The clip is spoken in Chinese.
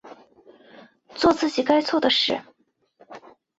作自己该做的事